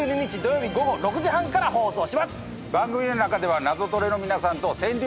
番組の中では『ナゾトレ』の皆さんと川柳対決をします。